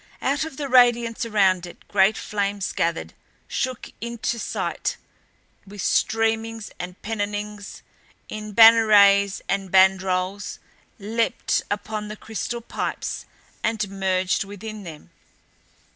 Out of the radiance around it great flames gathered, shook into sight with streamings and pennonings, in bannerets and bandrols, leaped upon the crystal pipes, and merged within them.